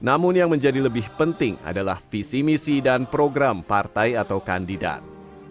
namun yang menjadi lebih penting adalah visi misi dan program partai atau kandidat